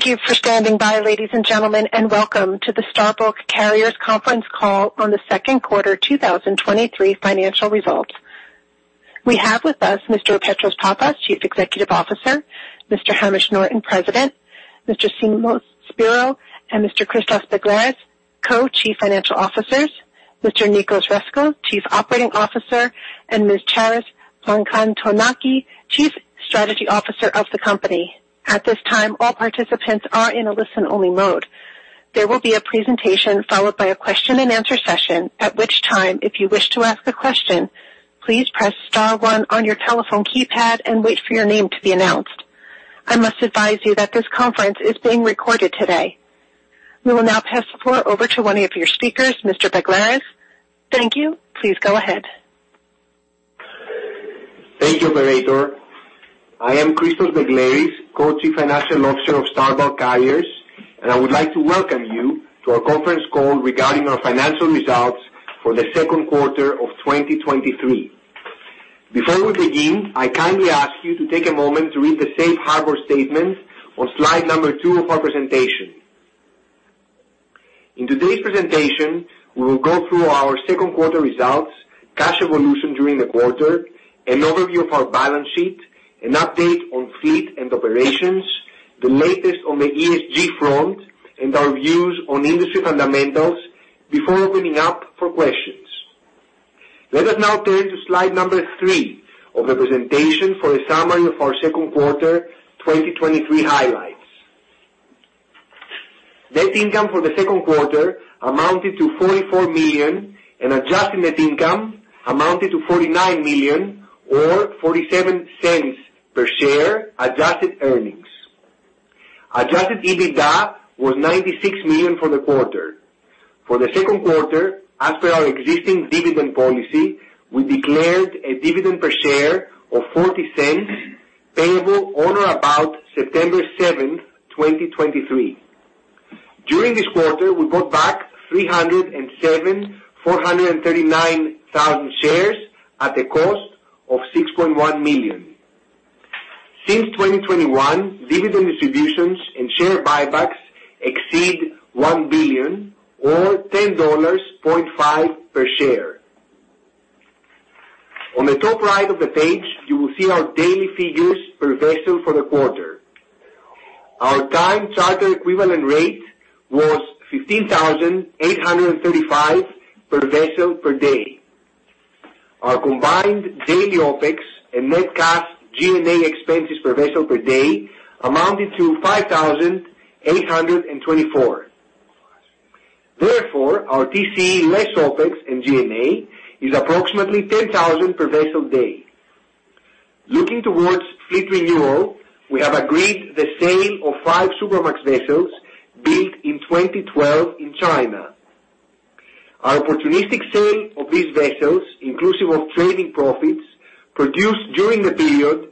Thank you for standing by, ladies and gentlemen, and welcome to the Star Bulk Carriers conference call on the second quarter 2023 financial results. We have with us Mr. Petros Pappas, Chief Executive Officer, Mr. Hamish Norton, President, Mr. Symeon Spyrou and Mr. Christos Begleris, Co-Chief Financial Officers, Mr. Nikos Vreskos, Chief Operating Officer, and Ms. Charis Plakantonaki, Chief Strategy Officer of the company. At this time, all participants are in a listen-only mode. There will be a presentation followed by a question and answer session, at which time, if you wish to ask a question, please press star 1 on your telephone keypad and wait for your name to be announced. I must advise you that this conference is being recorded today. We will now pass the floor over to one of your speakers, Mr. Begleris. Thank you. Please go ahead. Thank you, operator. I am Christos Begleris, Co-Chief Financial Officer of Star Bulk Carriers, I would like to welcome you to our conference call regarding our financial results for the second quarter of 2023. Before we begin, I kindly ask you to take a moment to read the Safe Harbor statement on slide 2 of our presentation. In today's presentation, we will go through our second quarter results, cash evolution during the quarter, an overview of our balance sheet, an update on fleet and operations, the latest on the ESG front, and our views on industry fundamentals before opening up for questions. Let us now turn to slide 3 of the presentation for a summary of our second quarter 2023 highlights. Net income for the second quarter amounted to $44 million, adjusted net income amounted to $49 million or $0.47 per share adjusted earnings. Adjusted EBITDA was $96 million for the quarter. For the second quarter, as per our existing dividend policy, we declared a dividend per share of $0.40, payable on or about September seventh, 2023. During this quarter, we bought back 307,439 shares at a cost of $6.1 million. Since 2021, dividend distributions and share buybacks exceed $1 billion or $10.5 per share. On the top right of the page, you will see our daily figures per vessel for the quarter. Our time charter equivalent rate was $15,835 per vessel per day. Our combined daily OpEx and Net Cash G&A expenses per vessel per day amounted to $5,824. Our TCE less OpEx and G&A is approximately $10,000 per vessel day. Looking towards fleet renewal, we have agreed the sale of five Supramax vessels built in 2012 in China. Our opportunistic sale of these vessels, inclusive of trading profits produced during the period,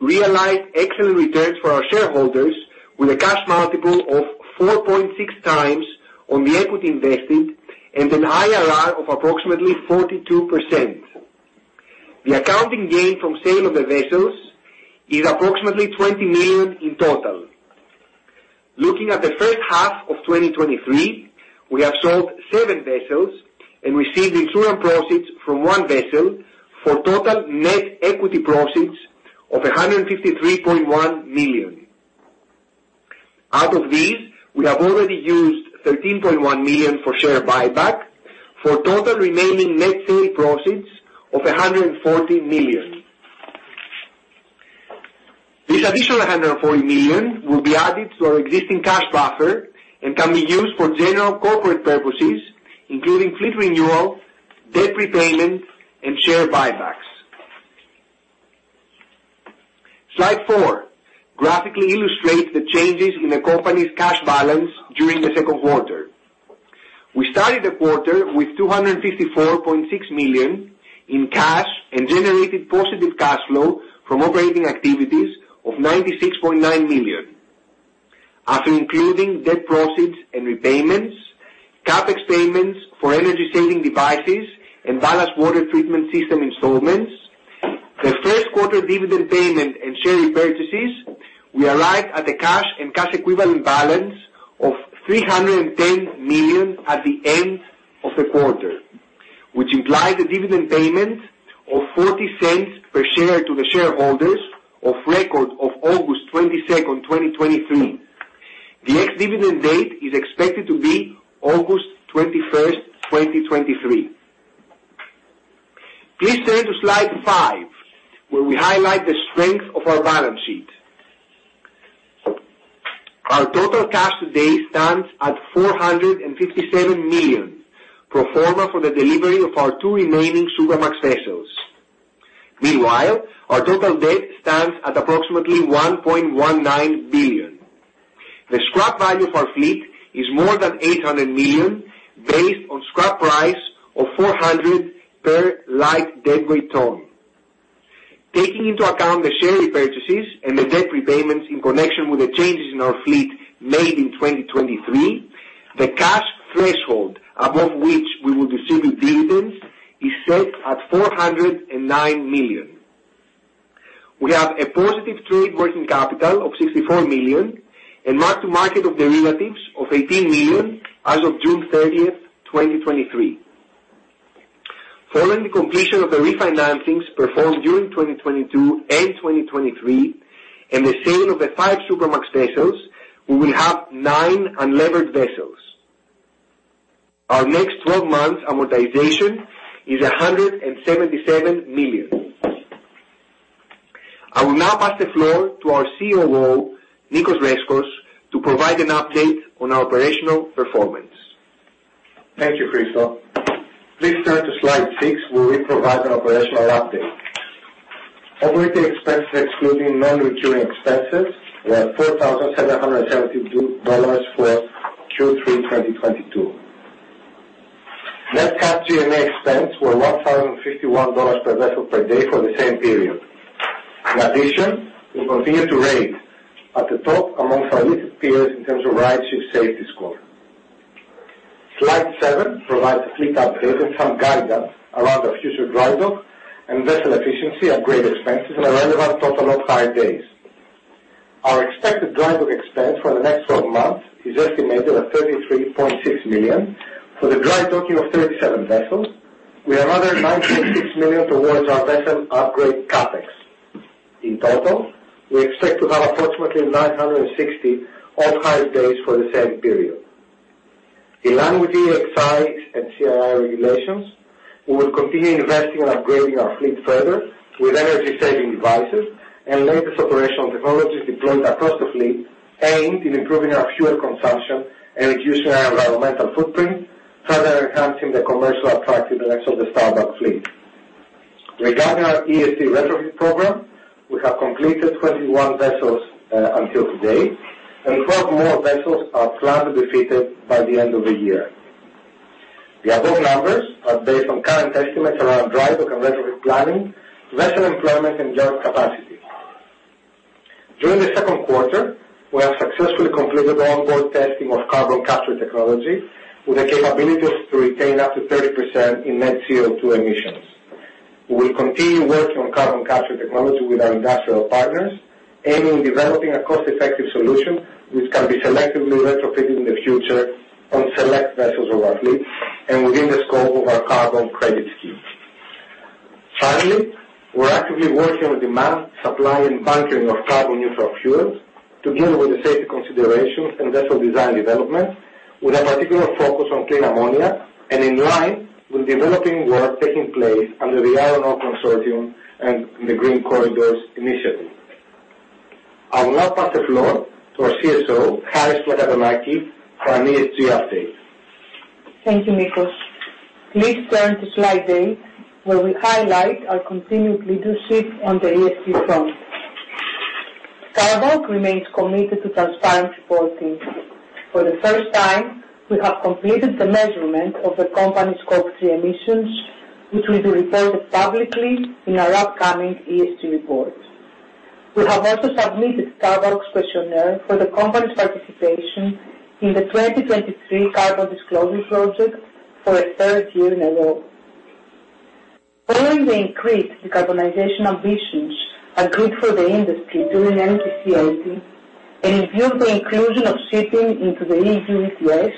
realized excellent returns for our shareholders with a cash multiple of 4.6x on the equity invested and an IRR of approximately 42%. The accounting gain from sale of the vessels is approximately $20 million in total. Looking at the first half of 2023, we have sold seven vessels and received the insurance proceeds from one vessel for total net equity proceeds of $153.1 million. Out of these, we have already used $13.1 million for share buyback, for total remaining net sale proceeds of $140 million. This additional $140 million will be added to our existing cash buffer and can be used for general corporate purposes, including fleet renewal, debt repayment, and share buybacks. Slide 4 graphically illustrates the changes in the company's cash balance during the second quarter. We started the quarter with $254.6 million in cash and generated positive cash flow from operating activities of $96.9 million. After including debt proceeds and repayments, CapEx payments for energy saving devices and ballast water treatment system installments, the first quarter dividend payment and share repurchases, we arrived at a cash and cash equivalent balance of $310 million at the end of the quarter, which implies a dividend payment of $0.40 per share to the shareholders of record of August 22, 2023. The ex-dividend date is expected to be August 21, 2023. Please turn to slide 5, where we highlight the strength of our balance sheet. Our total cash today stands at $457 million, pro forma for the delivery of our two remaining Supramax vessels. Meanwhile, our total debt stands at approximately $1.19 billion. The scrap value of our fleet is more than $800 million, based on scrap price of $400 per light displacement ton. Taking into account the share repurchases and the debt repayments in connection with the changes in our fleet made in 2023. The cash threshold above which we will distribute dividends is set at $409 million. We have a positive trade working capital of $64 million, and mark to market of derivatives of $18 million as of June 30th, 2023. Following the completion of the refinancings performed during 2022 and 2023, and the sale of the 5 Supramax vessels, we will have 9 unlevered vessels. Our next 12 months amortization is $177 million. I will now pass the floor to our COO, Nikos Vreskos, to provide an update on our operational performance. Thank you, Christos. Please turn to Slide 6, where we provide an operational update. Operating expenses, excluding non-recurring expenses, were $4,772 for Q3, 2022. Net Cash G&A expense were $1,051 per vessel per day for the same period. In addition, we continue to rate at the top among our peers in terms of RightShip safety score. Slide 7 provides a fleet update and some guidance around our future dry dock and vessel efficiency, upgrade expenses, and a relevant total of hire days. Our expected dry dock expense for the next 12 months is estimated at $33.6 million for the dry docking of 37 vessels, with another $9.6 million towards our vessel upgrade CapEx. In total, we expect to have approximately 960 off-hire days for the same period. In line with EEXI and CII regulations, we will continue investing in upgrading our fleet further with energy-saving devices and latest operational technologies deployed across the fleet, aimed in improving our fuel consumption and reducing our environmental footprint, further enhancing the commercial attractiveness of the Star Bulk fleet. Regarding our ESG retrofit program, we have completed 21 vessels until today, and 12 more vessels are planned to be fitted by the end of the year. The above numbers are based on current estimates around dry dock and retrofit planning, vessel employment, and job capacity. During the second quarter, we have successfully completed the onboard testing of carbon capture technology, with the capabilities to retain up to 30% in net CO2 emissions. We will continue working on carbon capture technology with our industrial partners, aiming in developing a cost-effective solution which can be selectively retrofitted in the future on select vessels of our fleet and within the scope of our carbon credit scheme. Finally, we're actively working on demand, supply, and bunkering of carbon-neutral fuels together with the safety considerations and vessel design development, with a particular focus on clean ammonia and in line with developing work taking place under the IMO consortium and the Green Corridors initiative. I will now pass the floor to our CSO, Charis Plakantonaki, for an ESG update. Thank you, Nikos. Please turn to slide 8, where we highlight our continued leadership on the ESG front. Star Bulk remains committed to transparent reporting. For the first time, we have completed the measurement of the company's Scope 3 emissions, which will be reported publicly in our upcoming ESG report. We have also submitted Star Bulk's questionnaire for the company's participation in the 2023 Carbon Disclosure Project for a third year in a row. Following the increased decarbonization ambitions agreed for the industry during MEPC 80 and in view of the inclusion of shipping into the EU ETS,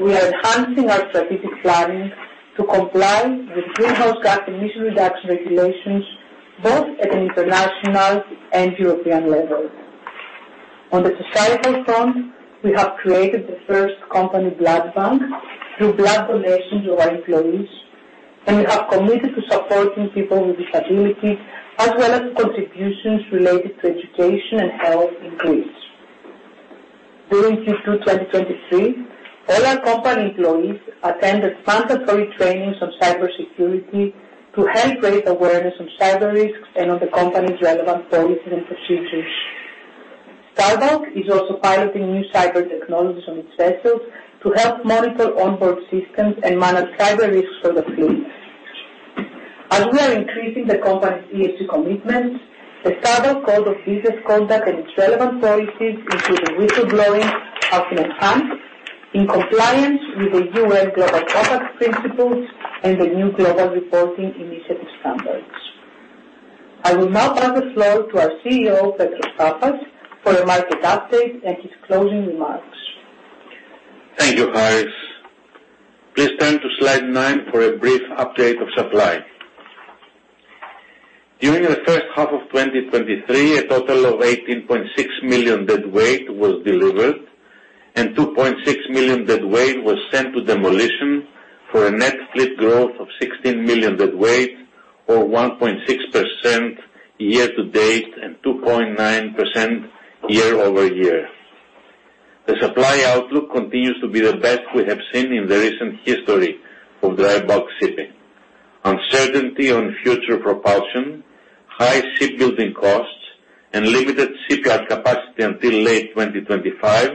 we are enhancing our strategic planning to comply with greenhouse gas emission reduction regulations, both at an international and European level. On the societal front, we have created the first company blood bank through blood donations of our employees, and we have committed to supporting people with disabilities, as well as contributions related to education and health in Greece. During Q2, 2023, all our company employees attended mandatory trainings on cybersecurity to help raise awareness on cyber risks and on the company's relevant policies and procedures. Star Bulk is also piloting new cyber technologies on its vessels to help monitor onboard systems and manage cyber risks for the fleet. We are increasing the company's ESG commitment, the Star Bulk code of ethics conduct and its relevant policies, including whistleblowing, have been enhanced in compliance with the UN Global Compact principles and the new Global Reporting Initiative standards. I will now pass the floor to our CEO, Petros Pappas, for a market update and his closing remarks. Thank you, Charis. Please turn to slide 9 for a brief update of supply. During the first half of 2023, a total of 18.6 million deadweight was delivered, and 2.6 million deadweight was sent to demolition, for a net fleet growth of 16 million deadweight or 1.6% year-to-date and 2.9% year-over-year. The supply outlook continues to be the best we have seen in the recent history of dry bulk shipping. Uncertainty on future propulsion, high shipbuilding costs, and limited shipyard capacity until late 2025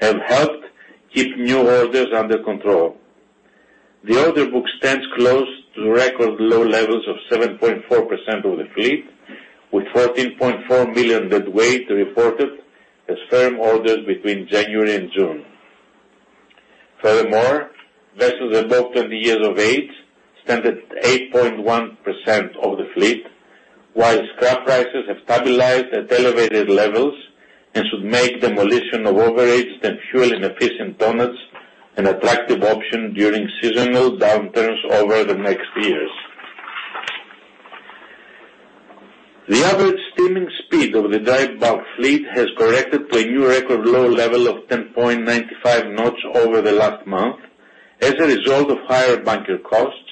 have helped keep new orders under control. ... The order book stands close to record low levels of 7.4% of the fleet, with 14.4 million deadweight reported as firm orders between January and June. Furthermore, vessels above 20 years of age stand at 8.1% of the fleet, while scrap prices have stabilized at elevated levels and should make demolition of overaged and fuel-inefficient tonnages an attractive option during seasonal downturns over the next years. The average steaming speed of the dry bulk fleet has corrected to a new record low level of 10.95 knots over the last month as a result of higher bunker costs,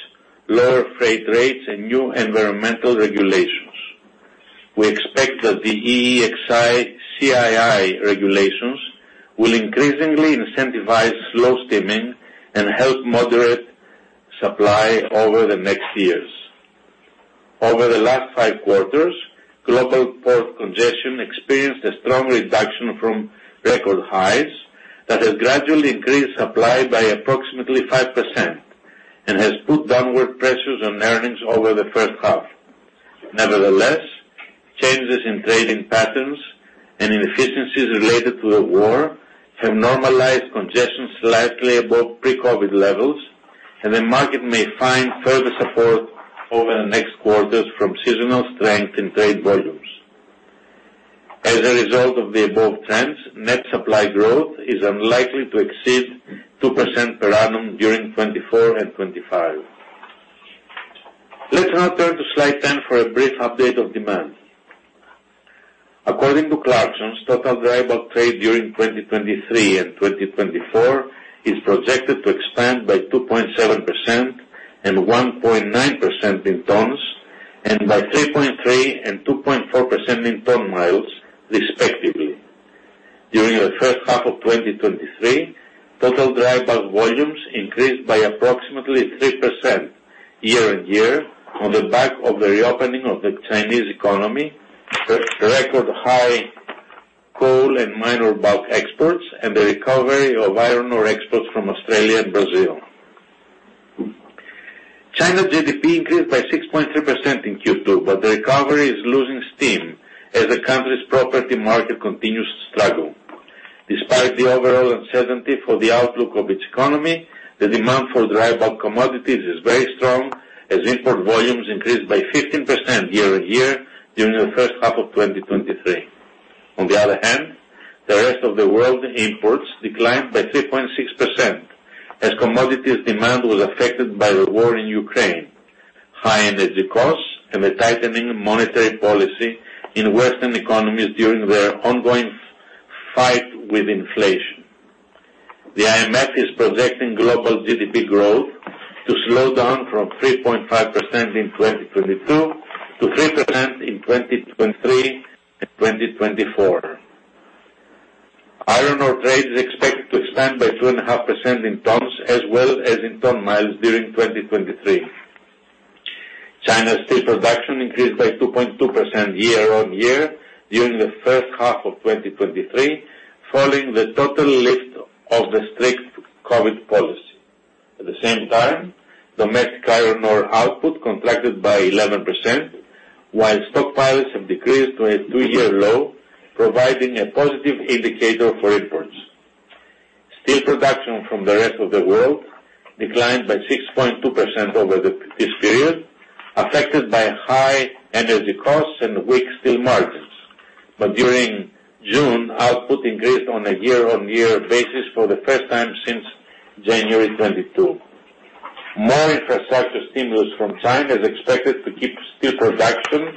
lower freight rates, and new environmental regulations. We expect that the EEXI, CII regulations will increasingly incentivize slow steaming and help moderate supply over the next years. Over the last five quarters, global port congestion experienced a strong reduction from record highs that has gradually increased supply by approximately 5% and has put downward pressures on earnings over the first half. Nevertheless, changes in trading patterns and inefficiencies related to the war have normalized congestion slightly above pre-COVID levels, and the market may find further support over the next quarters from seasonal strength and trade volumes. As a result of the above trends, net supply growth is unlikely to exceed 2% per annum during 2024 and 2025. Let's now turn to slide 10 for a brief update of demand. According to Clarksons, total dry bulk trade during 2023 and 2024 is projected to expand by 2.7% and 1.9% in tons, and by 3.3% and 2.4% in ton-miles, respectively. During the first half of 2023, total dry bulk volumes increased by approximately 3% year-on-year on the back of the reopening of the Chinese economy, the record high coal and minor bulk exports, and the recovery of iron ore exports from Australia and Brazil. China GDP increased by 6.3% in Q2, but the recovery is losing steam as the country's property market continues to struggle. Despite the overall uncertainty for the outlook of its economy, the demand for dry bulk commodities is very strong, as import volumes increased by 15% year-on-year during the first half of 2023. On the other hand, the rest of the world imports declined by 3.6% as commodities demand was affected by the war in Ukraine, high energy costs, and the tightening monetary policy in Western economies during their ongoing fight with inflation. The IMF is projecting global GDP growth to slow down from 3.5% in 2022 to 3% in 2023 and 2024. Iron ore trade is expected to expand by 2.5% in tons as well as in ton-miles during 2023. China's steel production increased by 2.2% year-on-year during the first half of 2023, following the total lift of the strict COVID policy. At the same time, domestic iron ore output contracted by 11%, while stockpiles have decreased to a two-year low, providing a positive indicator for imports. Steel production from the rest of the world declined by 6.2% over this period, affected by high energy costs and weak steel margins. During June, output increased on a year-on-year basis for the first time since January 2022. More infrastructure stimulus from China is expected to keep steel production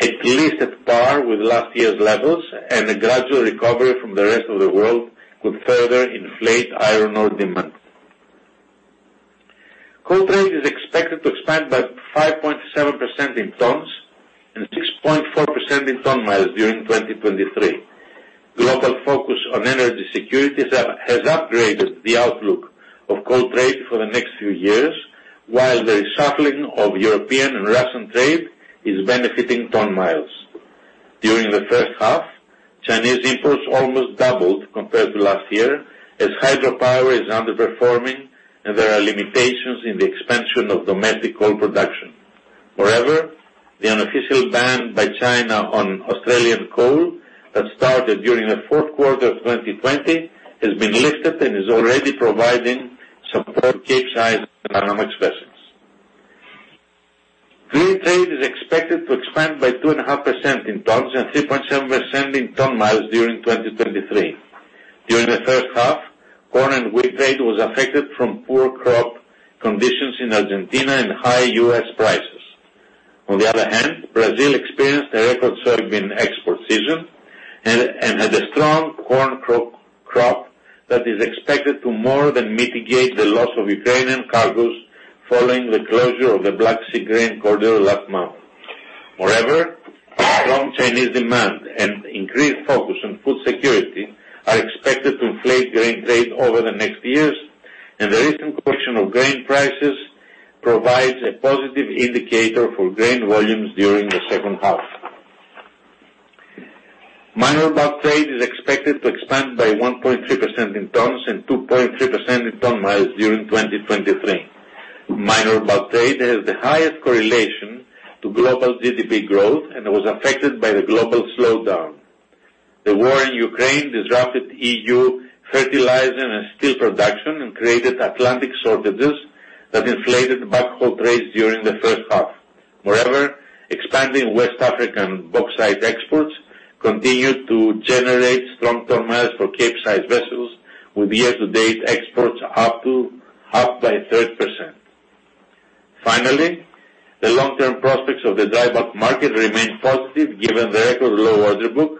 at least at par with last year's levels, and a gradual recovery from the rest of the world could further inflate iron ore demand. Coal trade is expected to expand by 5.7% in tons and 6.4% in ton-miles during 2023. Global focus on energy security has upgraded the outlook of coal trade for the next few years, while the reshuffling of European and Russian trade is benefiting ton-miles. During the first half, Chinese imports almost doubled compared to last year, as hydropower is underperforming and there are limitations in the expansion of domestic coal production. Moreover, the unofficial ban by China on Australian coal that started during the fourth quarter of 2020 has been lifted and is already providing support to Capesize and Panamax vessels. Grain trade is expected to expand by 2.5% in tons and 3.7% in ton-miles during 2023. During the first half, corn and wheat trade was affected from poor crop conditions in Argentina and high U.S. prices. On the other hand, Brazil experienced a record soybean export season and had a strong corn crop that is expected to more than mitigate the loss of Ukrainian cargoes following the closure of the Black Sea grain corridor last month. Moreover, strong Chinese demand and increased focus on food security are expected to inflate grain trade over the next years. The recent correction of grain prices provides a positive indicator for grain volumes during the second half. Minor bulk trade is expected to expand by 1.3% in tons and 2.3% in ton-miles during 2023. Minor bulk trade has the highest correlation to global GDP growth and was affected by the global slowdown. The war in Ukraine disrupted EU fertilizer and steel production and created Atlantic shortages that inflated bulk haul trades during the first half. Moreover, expanding West African bauxite exports continued to generate strong ton-miles for Capesize vessels, with year-to-date exports up by 30%. Finally, the long-term prospects of the dry bulk market remain positive given the record low order book,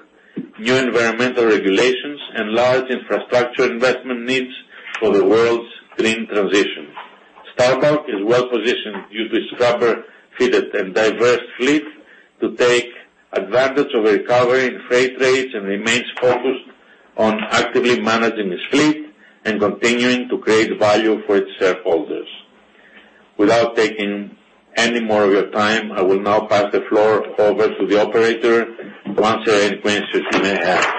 new environmental regulations, and large infrastructure investment needs for the world's clean transition. Star Bulk is well positioned due to its scrubber fleet and diverse fleet to take advantage of a recovery in freight rates and remains focused on actively managing its fleet and continuing to create value for its shareholders. Without taking any more of your time, I will now pass the floor over to the operator to answer any questions you may have.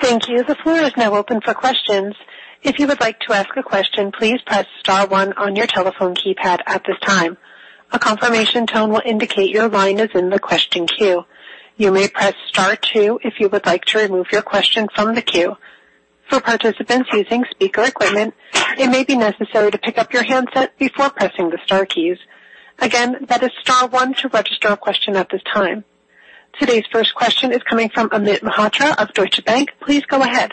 Thank you. The floor is now open for questions. If you would like to ask a question, please press star one on your telephone keypad at this time. A confirmation tone will indicate your line is in the question queue. You may press star two if you would like to remove your question from the queue. For participants using speaker equipment, it may be necessary to pick up your handset before pressing the star keys. Again, that is star one to register a question at this time. Today's first question is coming from Amit Mehrotra of Deutsche Bank. Please go ahead.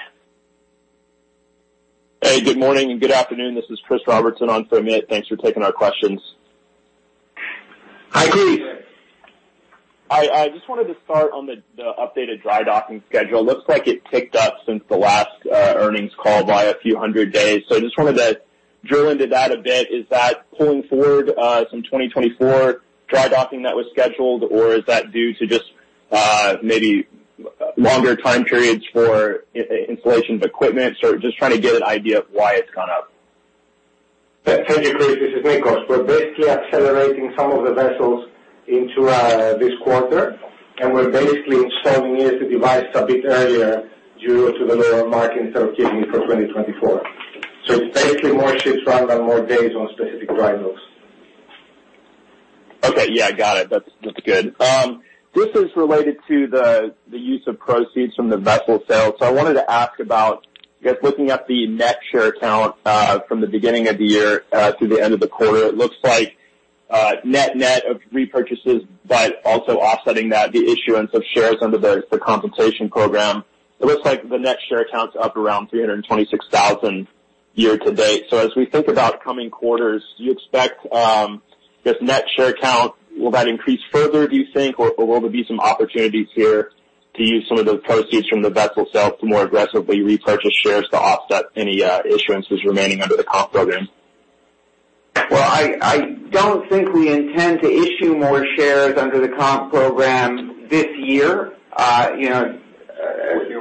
Hey, good morning and good afternoon. This is Chris Robertson on for Amit. Thanks for taking our questions. Hi, Chris. I just wanted to start on the updated dry docking schedule. Looks like it ticked up since the last earnings call by a few hundred days. Just wanted to drill into that a bit. Is that pulling forward some 2024 dry docking that was scheduled, or is that due to just maybe longer time periods for installation of equipment? Just trying to get an idea of why it's gone up. Thank you, Chris. This is Nikos. We're basically accelerating some of the vessels into this quarter, and we're basically installing it the device a bit earlier due to the lower market instead of keeping it for 2024. It's basically more ships running on more days on specific dry docks. Okay. Yeah, got it. That's, that's good. This is related to the use of proceeds from the vessel sale. I wanted to ask about, just looking at the net share count from the beginning of the year to the end of the quarter. It looks like, net of repurchases, but also offsetting that, the issuance of shares under the compensation program. It looks like the net share count is up around 326,000 year to date. As we think about coming quarters, do you expect this net share count will that increase further, do you think? Or will there be some opportunities here to use some of the proceeds from the vessel sale to more aggressively repurchase shares to offset any issuances remaining under the comp program? I don't think we intend to issue more shares under the comp program this year. you know.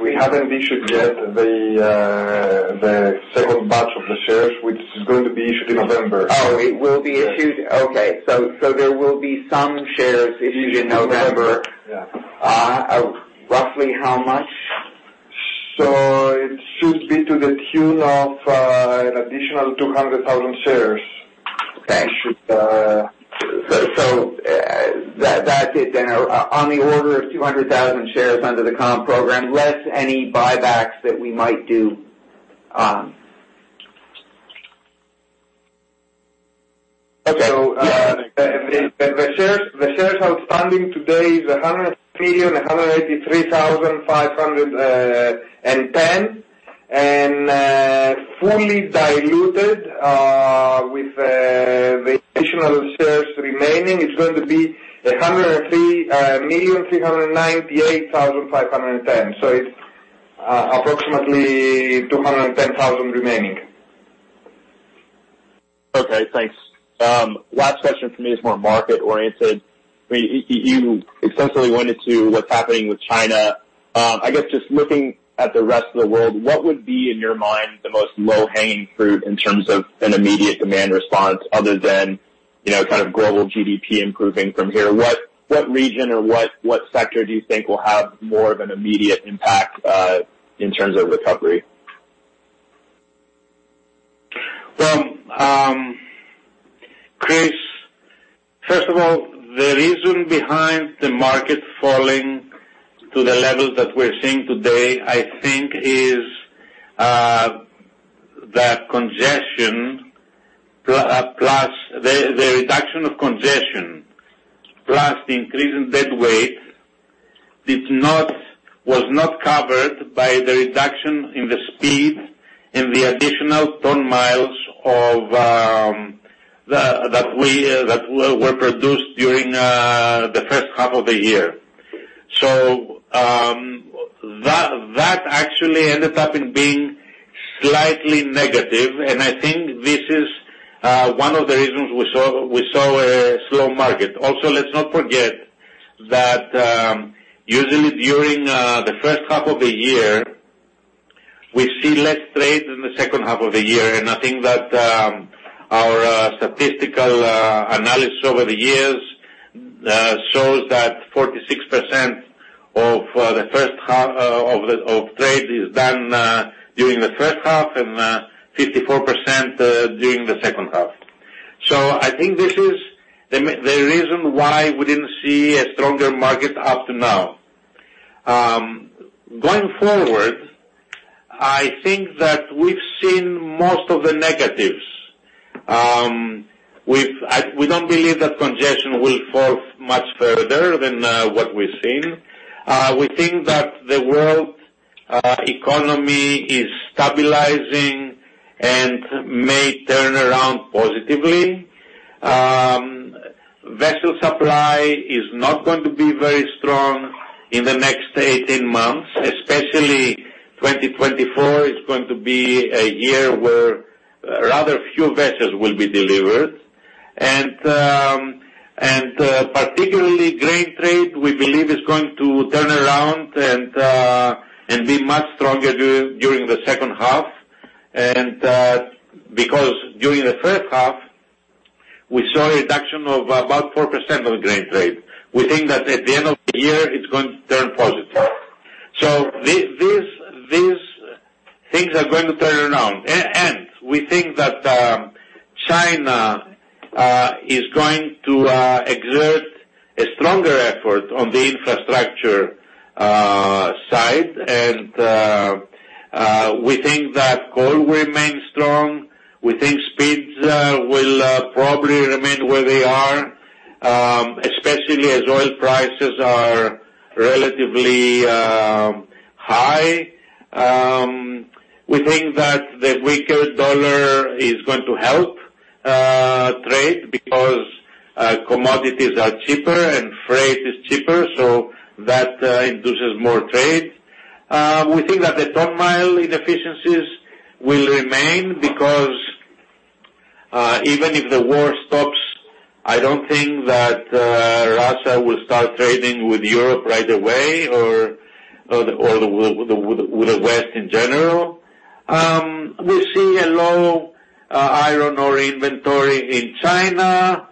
We haven't issued yet the, the 2nd batch of the shares, which is going to be issued in November. Oh, it will be issued? Yes. Okay. There will be some shares issued in November. Yeah. Roughly how much? It should be to the tune of an additional 200,000 shares. Okay. Uh- That, that's it then. On the order of 200,000 shares under the comp program, less any buybacks that we might do. The shares, the shares outstanding today is 100,183,510, and fully diluted, with the additional shares remaining, it's going to be 103,398,510. It's approximately 210,000 remaining. Okay, thanks. Last question for me is more market-oriented. I mean, you, you extensively went into what's happening with China. I guess just looking at the rest of the world, what would be, in your mind, the most low-hanging fruit in terms of an immediate demand response other than, you know, kind of global GDP improving from here? What, what region or what, what sector do you think will have more of an immediate impact in terms of recovery? Well, Chris, first of all, the reason behind the market falling to the levels that we're seeing today, I think is the congestion, plus, plus the, the reduction of congestion, plus the increase in deadweight was not covered by the reduction in the speed and the additional ton-miles of the that we that were, were produced during the first half of the year. That that actually ended up in being slightly negative, and I think this is one of the reasons we saw, we saw a slow market. Let's not forget that, usually during the first half of the year. We see less trade in the second half of the year. I think that our statistical analysis over the years shows that 46% of the first half of the trade is done during the first half and 54% during the second half. I think this is the reason why we didn't see a stronger market up to now. Going forward, I think that we've seen most of the negatives. We don't believe that congestion will fall much further than what we've seen. We think that the world economy is stabilizing and may turn around positively. Vessel supply is not going to be very strong in the next 18 months, especially 2024 is going to be a year where rather few vessels will be delivered. Particularly grain trade, we believe is going to turn around and be much stronger during, during the second half. Because during the first half, we saw a reduction of about 4% on grain trade. We think that at the end of the year, it's going to turn positive. These, these things are going to turn around. We think that China is going to exert a stronger effort on the infrastructure side. We think that coal remains strong. We think speeds will probably remain where they are, especially as oil prices are relatively high. We think that the weaker dollar is going to help trade because commodities are cheaper and freight is cheaper, so that induces more trade. We think that the ton-mile inefficiencies will remain because even if the war stops, I don't think that Russia will start trading with Europe right away or, or the, or with the, with the West in general. We see a low iron ore inventory in China.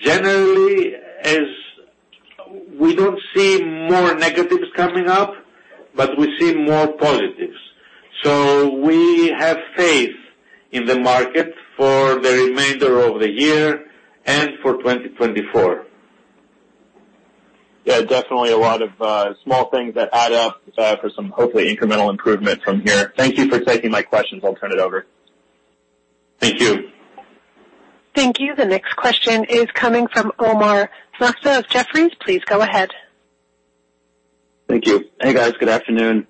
Generally, we don't see more negatives coming up, but we see more positives. We have faith in the market for the remainder of the year and for 2024. Definitely a lot of small things that add up for some, hopefully, incremental improvement from here. Thank you for taking my questions. I'll turn it over. Thank you. Thank you. The next question is coming from Omar Nokta of Jefferies. Please go ahead. Thank you. Hey, guys. Good afternoon.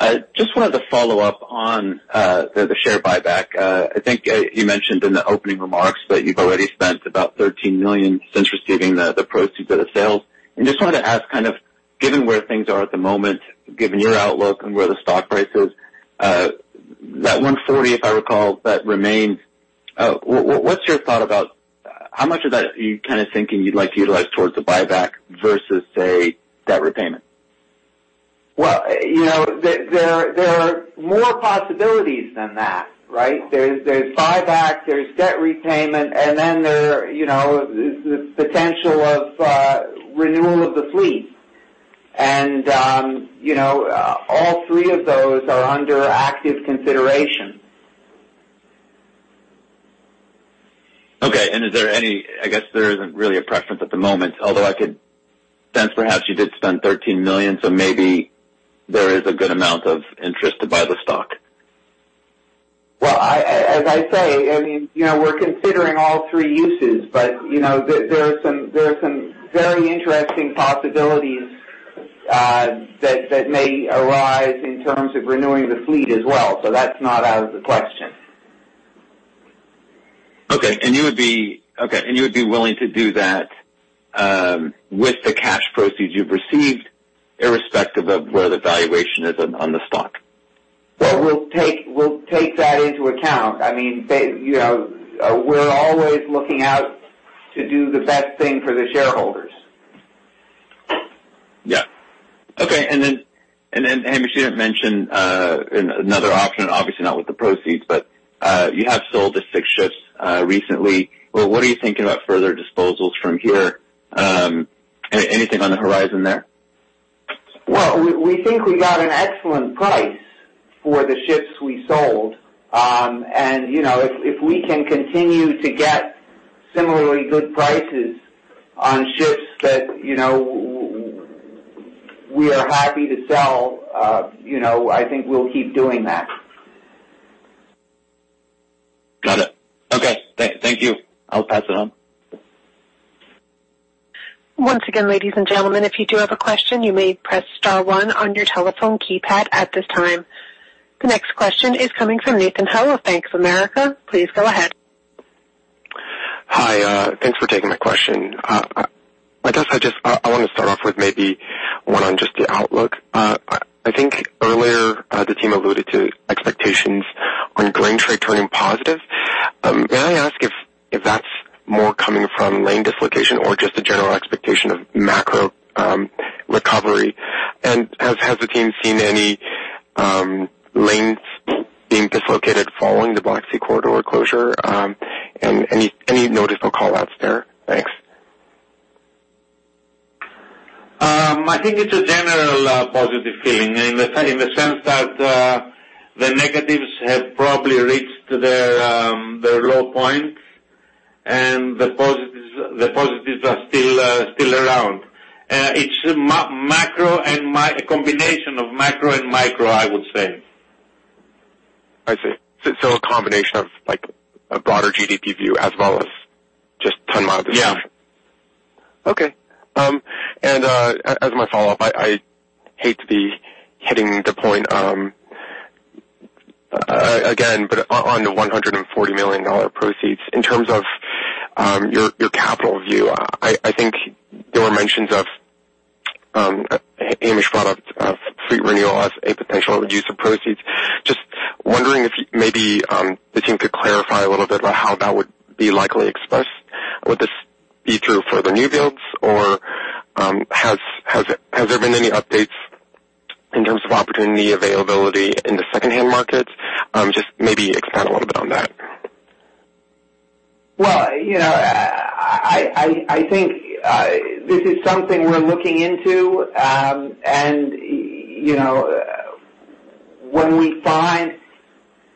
I just wanted to follow up on the share buyback. I think you mentioned in the opening remarks that you've already spent about $13 million since receiving the proceeds of the sales. Just wanted to ask, given where things are at the moment, given your outlook and where the stock price is, that 140, if I recall, that remains, what's your thought about how much of that are you thinking you'd like to utilize towards the buyback versus, say, debt repayment? Well, you know, there, there are, there are more possibilities than that, right? There's, there's buyback, there's debt repayment, and then there are, you know, the, the potential of renewal of the fleet. You know, all three of those are under active consideration. Okay. Is there any... I guess there isn't really a preference at the moment, although I could sense perhaps you did spend $13 million, so maybe there is a good amount of interest to buy the stock. Well, I, as I say, I mean, you know, we're considering all three uses, but, you know, there, there are some, there are some very interesting possibilities, that, that may arise in terms of renewing the fleet as well. That's not out of the question. Okay. okay, you would be willing to do that, with the cash proceeds you've received, irrespective of where the valuation is on, on the stock? Well, we'll take that into account. I mean, they, you know, we're always looking out to do the best thing for the shareholders. Yeah. Okay. Then, and then, Hamish, you had mentioned, another option, obviously not with the proceeds, but, you have sold the 6 ships, recently. What are you thinking about further disposals from here? anything on the horizon there? Well, we, we think we got an excellent price for the ships we sold. You know, if, if we can continue to get similarly good prices on ships that, you know, we are happy to sell, you know, I think we'll keep doing that. Got it. Okay. Thank you. I'll pass it on. Once again, ladies and gentlemen, if you do have a question, you may press star one on your telephone keypad at this time. The next question is coming from Nathan Howell of Bank of America. Please go ahead. Hi, thanks for taking my question. I guess I just, I want to start off with maybe one on just the outlook. I think earlier, the team alluded to expectations on grain trade turning positive.... May I ask if, if that's more coming from lane dislocation or just the general expectation of macro, recovery? Has, has the team seen any, lanes being dislocated following the Black Sea corridor closure? Any, any noticeable call outs there? Thanks. I think it's a general positive feeling in the, in the sense that the negatives have probably reached their low point, and the positives, the positives are still still around. It's a combination of macro and micro, I would say. I see. A combination of like a broader GDP view as well as just ton-miles distinction? Yeah. Okay. As my follow-up, I, I hate to be hitting the point again, on the $140 million proceeds, in terms of your, your capital view, I, I think there were mentions of image product of fleet renewal as a potential use of proceeds. Wondering if maybe the team could clarify a little bit about how that would be likely expressed. Would this be through further new builds, or, has, has, has there been any updates in terms of opportunity availability in the secondhand markets? Maybe expand a little bit on that. Well, you know, I think this is something we're looking into, and, you know, when we find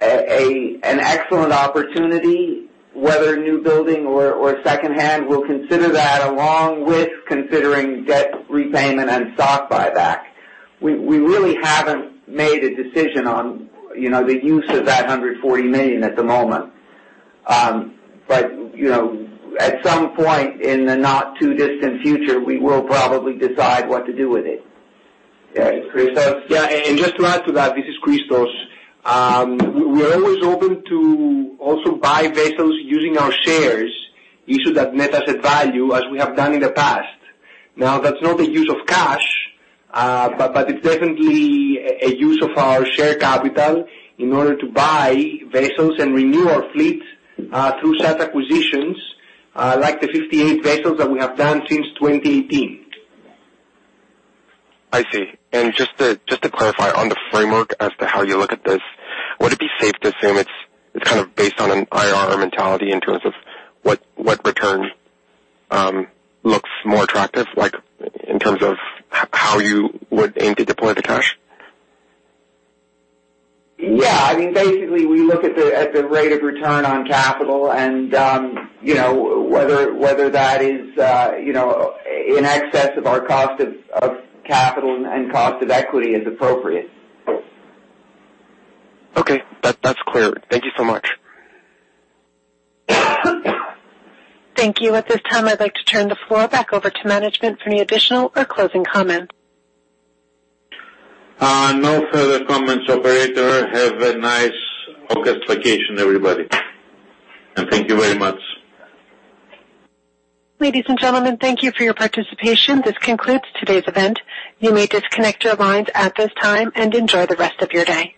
an excellent opportunity, whether new building or secondhand, we'll consider that along with considering debt repayment and stock buyback. We really haven't made a decision on, you know, the use of that $140 million at the moment. You know, at some point in the not too distant future, we will probably decide what to do with it. Yeah, Christos. Yeah, just to add to that, this is Christos. We're always open to also buy vessels using our shares issued at net asset value, as we have done in the past. Now, that's not the use of cash, but, but it's definitely a, a use of our share capital in order to buy vessels and renew our fleet through such acquisitions, like the 58 vessels that we have done since 2018. I see. Just to, just to clarify on the framework as to how you look at this, would it be safe to assume it's, it's kind of based on an IRR mentality in terms of what, what return looks more attractive, like in terms of how you would aim to deploy the cash? Yeah, I mean, basically, we look at the, at the rate of return on capital, you know, whether, whether that is, you know, in excess of our cost of, of capital and cost of equity is appropriate. Okay. That, that's clear. Thank you so much. Thank you. At this time, I'd like to turn the floor back over to management for any additional or closing comments. No further comments, operator. Have a nice August vacation, everybody, and thank you very much. Ladies and gentlemen, thank you for your participation. This concludes today's event. You may disconnect your lines at this time and enjoy the rest of your day.